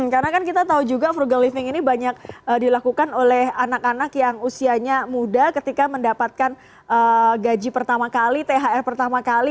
karena kan kita tahu juga frugal living ini banyak dilakukan oleh anak anak yang usianya muda ketika mendapatkan gaji pertama kali thr pertama kali